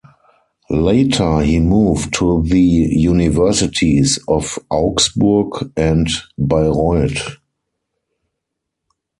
Later he moved to the Universities of Augsburg and Bayreuth.